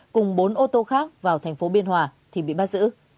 cùng bốn ô tô khác vào thành phố biên hòa thì bị bắt giữ